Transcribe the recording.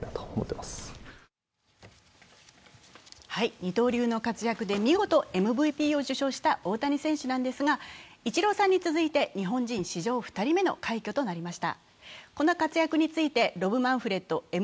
二刀流の活躍で見事ＭＶＰを獲得した大谷選手ですがイチローさんに続いて日本人史上２人目の快挙となりました。